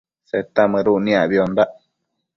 Seta mëduc niacbiondac